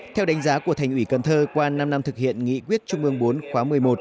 theo đánh giá của thành ủy cần thơ qua năm năm thực hiện nghị quyết trung ương bốn khóa một mươi một